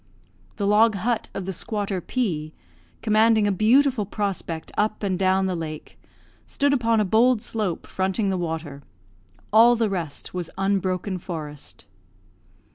The log hut of the squatter P , commanding a beautiful prospect up and down the lake, stood upon a bold slope fronting the water; all the rest was unbroken forest.